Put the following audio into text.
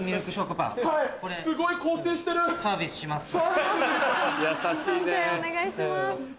判定お願いします。